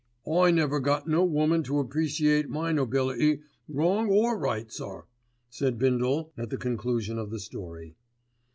"I never got no woman to appreciate my nobility wrong or right, sir," said Bindle, at the conclusion of the story.